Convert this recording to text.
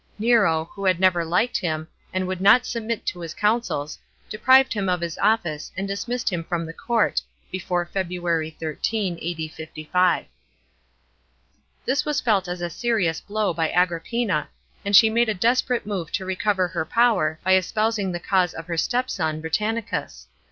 Nero, who had never liked him, and would not submit to his counsels, deprived him of his office, and dismissed him from the court (before February 13, A.D. 55). This was felt as a serious blow by Agrippina, and she made a desperate move to recover her power by espousing the cause of her stepson Britannicus.